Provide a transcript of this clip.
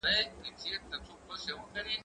زه به سبا مڼې وخورم!؟